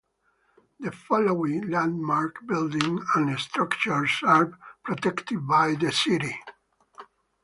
The following landmark buildings and structures are protected by the city.